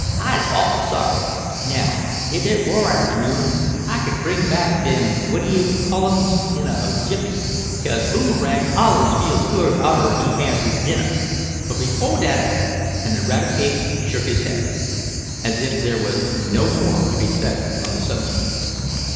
"I'se awful sorry. Now if it were afternoon I could bring back dem what d'ye call 'ems in a jiffy, 'cause Boomerang allers feels good arter he has his dinnah, but befo' dat " and Eradicate shook his head, as if there was no more to be said on the subject.